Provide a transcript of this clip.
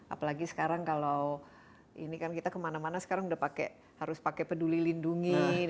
apalagi sekarang kalau ini kan kita kemana mana sekarang sudah pakai harus pakai peduli lindungi